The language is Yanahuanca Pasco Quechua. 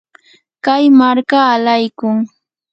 kay marka alaykun.